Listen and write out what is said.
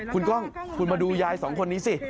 คุณกล้องคุณมาดูยายสองคนนี้สิ